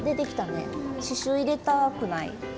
刺しゅう入れたくない？